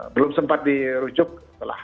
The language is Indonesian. belum sempat dirujuk setelah